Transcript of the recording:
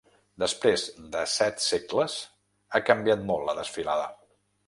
Després de set segles ha canviat molt la desfilada.